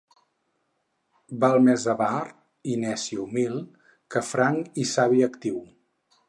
Val més avar i neci humil que franc i savi altiu.